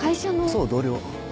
そう同僚。